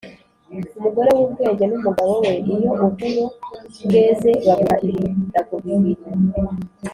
Umugore w’ubwenge n’umugabo we iyo uburo bweze bagura ibirago bibiri.